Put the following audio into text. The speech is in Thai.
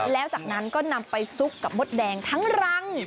แล้วจากนั้นก็นำไปซุกกับมดแดงทั้งรัง